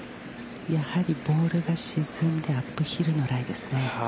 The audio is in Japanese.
やはりボール沈んで、アップヒルのライですね。